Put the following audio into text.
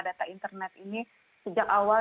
data internet ini sejak awal